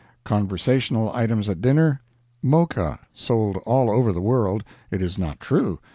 . Conversational items at dinner, "Mocha! sold all over the world! It is not true.